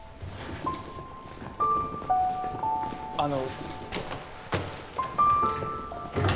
あの。